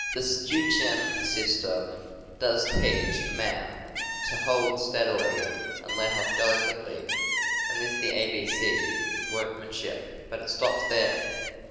The "schuetzen" system does teach a man to hold steadily and to let off delicately, and this is the ABC of marksmanship. But it stops there.